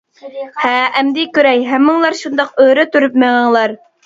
ھە، ئەمدى كۆرەي، ھەممىڭلار شۇنداق ئۆرە تۇرۇپ مېڭىڭلار!